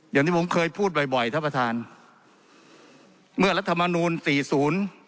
อย่างที่ผมเคยพูดบ่อยบ่อยท่านประธานเมื่อรัฐมนูลสี่ศูนย์